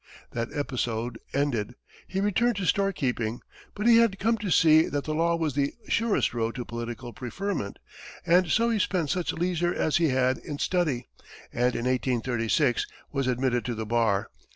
That episode ended, he returned to store keeping; but he had come to see that the law was the surest road to political preferment, and so he spent such leisure as he had in study, and in 1836 was admitted to the bar.